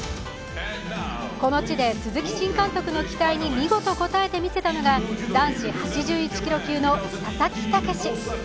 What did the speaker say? この地で鈴木新監督の期待に見事応えてみせたのが男子８１キロ級の佐々木健志。